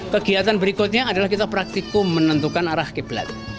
kegiatan berikutnya adalah kita praktikum menentukan arah qiblat